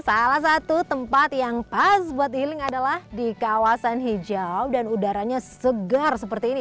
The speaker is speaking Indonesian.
salah satu tempat yang pas buat healing adalah di kawasan hijau dan udaranya segar seperti ini